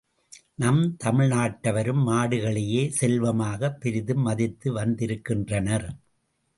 நம் தமிழ் நாட்டவரும் மாடுகளையே செல்வமாகப் பெரிதும் மதித்து வந்திருக்கின்றனர்.